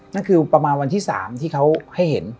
นั่นคือประมาณวันที่๓ที่เขาให้เห็น